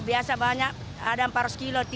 biasa banyak ada empat ratus tiga ratus kilo